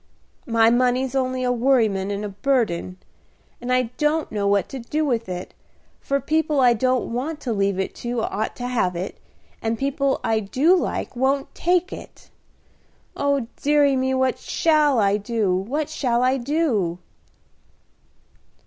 My money's only a worryment and a burden, and I don't know what to do with it, for people I don't want to leave it to ought to have it, and people I do like won't take it. Oh, deary me, what shall I do! what shall I do!"